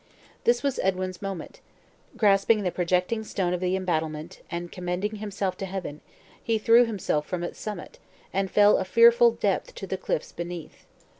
This was Edwin's moment: grasping the projecting stone of the embattlement, and commending himself to Heaven, he threw himself from its summit, and fell a fearful depth to the cliffs beneath.